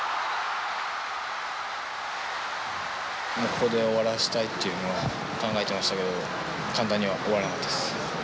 ここで終わらせたいとは考えてましたけど簡単には終わらなかったです。